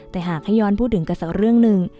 แต่หากให้ย้อนพูดถึงกันสักเรื่องหนึ่ง